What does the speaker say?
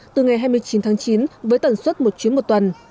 từ ngày hai mươi chín tháng chín với tần suất một chuyến một tuần